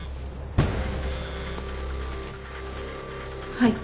はい。